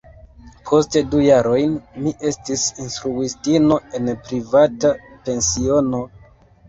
Poste du jarojn mi estis instruistino en privata pensiono.